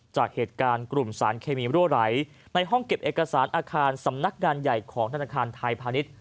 จากเหตุการณ์กลุ่มสารเคมีรั่วไหลในห้องเก็บเอกสารอาคารสำนักงานใหญ่ของธนาคารไทยพาณิชย์